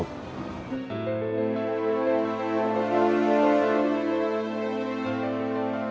aku mau ke rumah